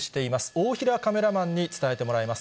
大平カメラマンに伝えてもらいます。